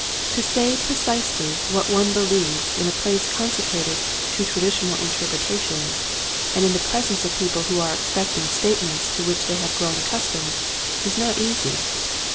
To say precisely what one believes in a place consecrated to traditional interpretations and in the presence of people who are expecting statements to which they have grown ac customed is not easy.